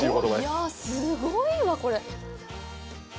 いや、すごいわ、これ。